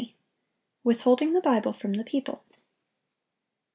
WITHHOLDING THE BIBLE FROM THE PEOPLE.